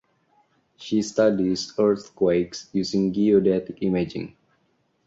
She studies earthquakes using geodetic imaging.